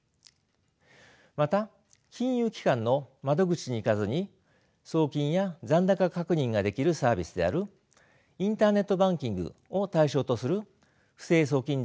また金融機関の窓口に行かずに送金や残高確認ができるサービスであるインターネットバンキングを対象とする不正送金事犯が多発しています。